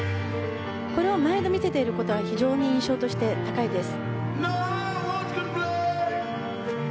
これを見せていることは印象として高いです。